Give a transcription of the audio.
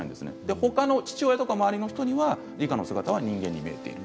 ほかの父親とか周りの人にはリカの姿が人間に見えている。